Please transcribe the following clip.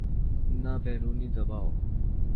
نہ بیرونی دباؤ۔